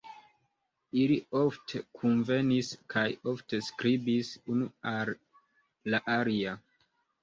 Ili ofte kunvenis kaj ofte skribis unu al la alia.